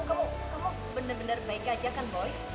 kamu bener bener baik aja kan boy